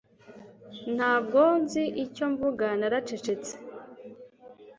Ntabwo nzi icyo mvuga naracecetse